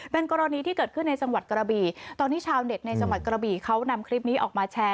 เป็นกรณีที่เกิดขึ้นในจังหวัดกระบี่ตอนนี้ชาวเน็ตในจังหวัดกระบี่เขานำคลิปนี้ออกมาแชร์